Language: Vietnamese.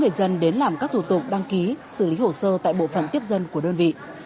cảnh sát giao thông công an đã làm các thủ tục đăng ký xử lý hồ sơ tại bộ phần tiếp dân của đơn vị